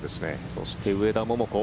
そして上田桃子。